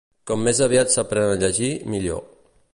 Com més aviat s'aprèn a llegir, millor.